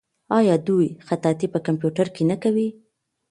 آیا دوی خطاطي په کمپیوټر کې نه کوي؟